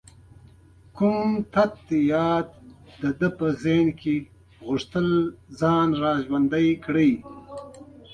کوم تت یاد د ده په ذهن کې غوښتل ځان را ژوندی کړي.